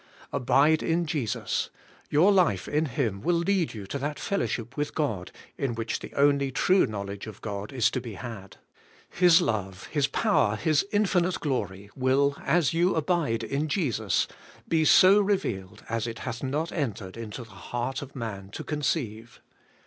Abide in Jesus: your life in Him will lead you to that fellowship with God in which the only true knowledge of God is to be had. His love. His power. His infinite glory will, as you abide in Jesus, be so revealed as it hath not entered into the heart of man to conceive.